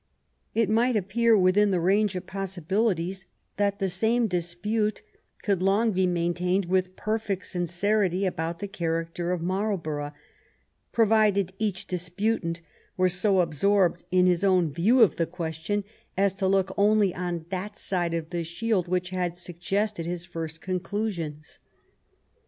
It might appear within the range of possibilities that the same dispute could long be maintained with perfect sincerity about the character of Marlborough, provided each disputant were so absorbed in his own view of the question as to look only on that side of the shield which had sug gested his own conclusions.